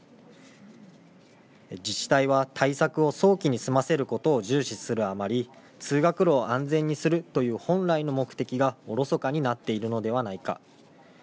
自治体は対策を早期に済ませることを重視するあまり通学路を安全にするという本来の目的がおろそかになっているのではないか。